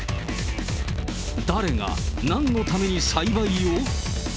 誰が、なんのために栽培を？